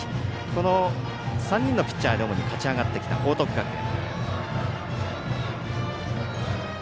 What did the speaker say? この３人のピッチャーで勝ち上がってきた報徳学園。